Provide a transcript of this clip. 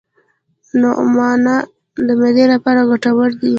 نعناع د معدې لپاره ګټوره ده